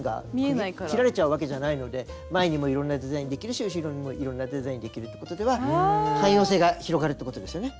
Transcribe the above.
切られちゃうわけじゃないので前にもいろんなデザインできるし後ろにもいろんなデザインできるってことでは汎用性が広がるってことですよね。